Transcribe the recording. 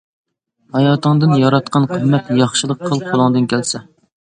ھاياتىڭدىن ياراتقىن قىممەت، ياخشىلىق قىل قۇلۇڭدىن كەلسە.